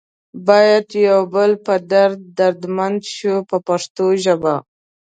باید یو د بل په درد دردمند شو په پښتو ژبه.